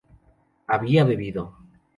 había bebido